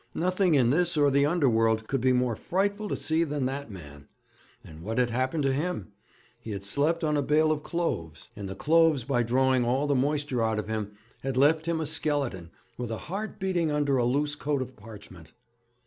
Nothing in this or the under world could be more frightful to see than that man. And what had happened to him? He had slept on a bale of cloves, and the cloves, by drawing all the moisture out of him, had left him a skeleton, with a heart beating under a loose coat of parchment.'